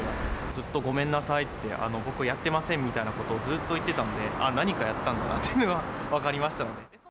ずっとごめんなさいって、僕はやってませんみたいなことをずっと言ってたんで、何かやったんだなっていうのが分かりましたので。